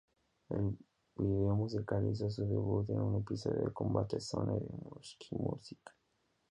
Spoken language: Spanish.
El video musical hizo su debut en un episodio de Combate Zone de MuchMusic.